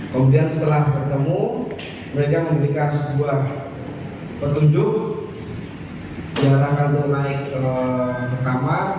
kemudian setelah bertemu mereka memberikan sebuah petunjuk yang akan naik ke kamar